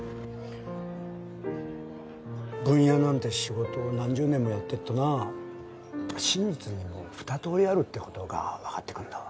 ブン屋なんて仕事を何十年もやってるとな真実にも２通りあるって事がわかってくるんだわ。